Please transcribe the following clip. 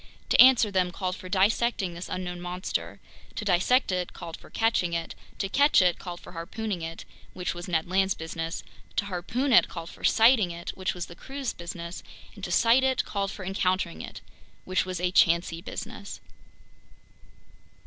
To answer them called for dissecting this unknown monster; to dissect it called for catching it; to catch it called for harpooning it—which was Ned Land's business; to harpoon it called for sighting it—which was the crew's business; and to sight it called for encountering it—which was a chancy business.